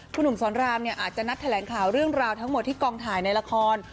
คุณหนุ่มสอนรามเนี่ยอาจจะนัดแถลงข่าวเรื่องราวทั้งหมดที่กองถ่ายในละคร